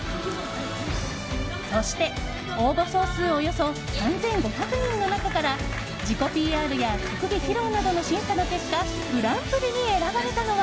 そして、応募総数およそ３５００人の中から自己ＰＲや特技披露などの審査の結果グランプリに選ばれたのは